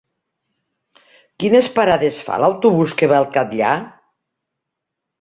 Quines parades fa l'autobús que va al Catllar?